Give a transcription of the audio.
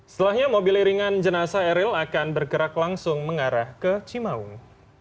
setelahnya mobil iringan jenazah eril akan bergerak langsung mengarah ke cimaung